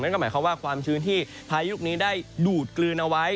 นั่นก็หมายความว่าความชื้นที่พายุลูกนี้ได้ดูดกลืนเอาไว้